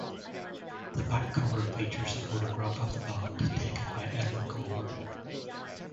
The back cover features a photograph of the band taken by Edward Colver.